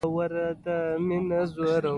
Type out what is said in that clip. د فرعنوو د وخت مذهب او عقیده :